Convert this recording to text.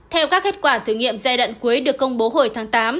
theo các kết quả thử nghiệm giai đoạn cuối được công bố hồi tháng tám